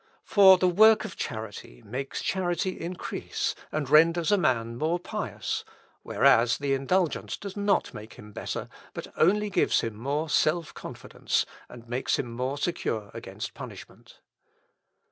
"For the work of charity makes charity increase, and renders a man more pious; whereas the indulgence does not make him better, but only gives him more self confidence, and makes him more secure against punishment.